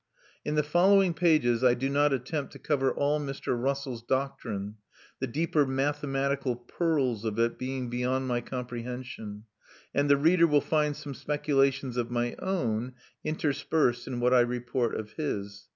In the following pages I do not attempt to cover all Mr. Russell's doctrine (the deeper mathematical purls of it being beyond my comprehension), and the reader will find some speculations of my own interspersed in what I report of his.